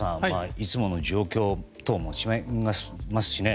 いつもの状況と違いますしね。